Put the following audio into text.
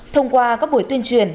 thông qua các buổi tuyên truyền